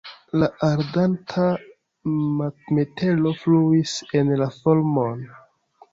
La ardanta metalo fluis en la formon.